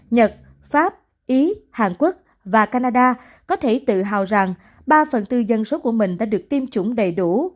nhật pháp ý hàn quốc và canada có thể tự hào rằng ba phần tư dân số của mình đã được tiêm chủng đầy đủ